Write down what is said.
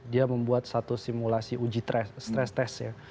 dia membuat satu simulasi uji stress test ya